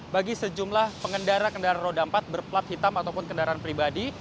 bagi sejumlah pengendara kendaraan roda empat berplat hitam ataupun kendaraan pribadi